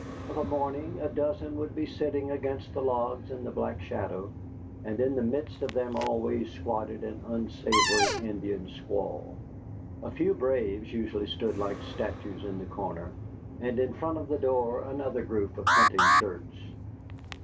Of a morning a dozen would be sitting against the logs in the black shadow, and in the midst of them always squatted an unsavory Indian squaw. A few braves usually stood like statues at the corner, and in front of the door another group of hunting shirts.